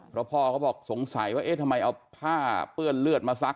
เพราะพ่อเขาบอกสงสัยว่าเอ๊ะทำไมเอาผ้าเปื้อนเลือดมาซัก